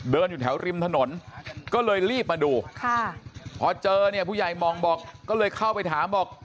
อยู่แถวริมถนนก็เลยรีบมาดูพอเจอเนี่ยผู้ใหญ่มองบอกก็เลยเข้าไปถามบอก